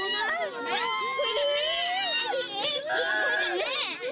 แม่